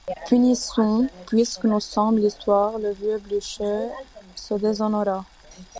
Punissons, puisque nous sommes l’histoire: le vieux Blücher se déshonora.